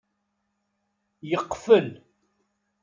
Yeqfel.